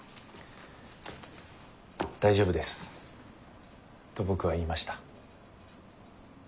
「大丈夫です」と僕は言いました。